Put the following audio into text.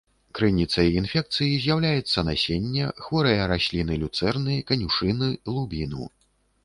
Крыніцай інфекцыі з'яўляецца насенне, хворыя расліны люцэрны, канюшыны, лубіну.